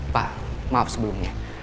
pak maaf sebelumnya